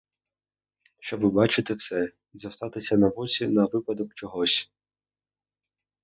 Щоб і бачити все — і зостатися на боці на випадок чогось.